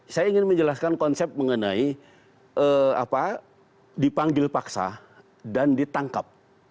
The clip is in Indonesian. saya ingin menjelaskan konsep mengenai dipanggil paksa dan ditangkap